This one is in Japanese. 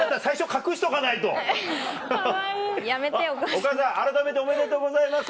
お母さんあらためておめでとうございます。